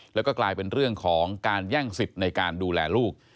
แล้วก็กลายเป็นเรื่องของการแย่งสิทธิ์ในการดูแลลูก